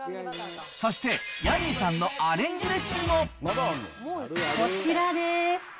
そして、ヤミーさんのアレンジレこちらです。